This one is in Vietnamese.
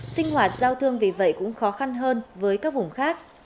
sinh hoạt giao thương vì vậy cũng khó khăn hơn với các vùng khác